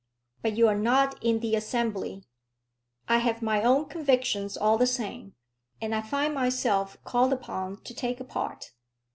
"But you're not in the Assembly." "I have my own convictions all the same, and I find myself called upon to take a part."